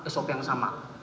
sop yang sama